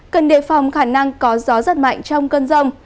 cần đề phòng khả năng có gió rất mạnh trong cơn rông